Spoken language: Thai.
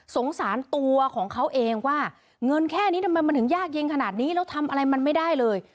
สงสารตัวของเขาเองว่าเงินแค่นี้ทำไมมันถึงยากเย็นขนาดนี้แล้วทำอะไรมันไม่ได้เลย